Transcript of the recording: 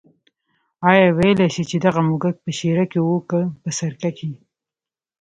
آیا ویلای شې چې دغه موږک په شېره کې و که په سرکه کې.